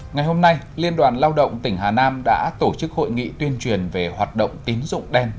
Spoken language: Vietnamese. ngày hôm nay liên đoàn lao động tỉnh hà nam đã tổ chức hội nghị tuyên truyền về hoạt động tín dụng đen